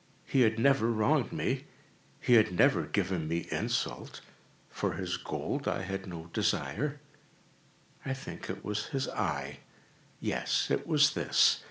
He had never wronged me. He had never given me insult. For his gold I had no desire. I think it was his eye! yes, it was this!